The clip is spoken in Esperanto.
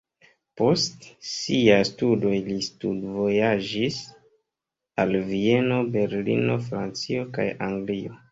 Post siaj studoj li studvojaĝis al Vieno, Berlino, Francio kaj Anglio.